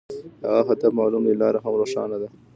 که هدف معلوم وي، لار هم روښانه وي.